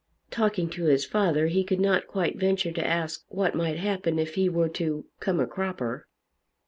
Talking to his father he could not quite venture to ask what might happen if he were to "come a cropper."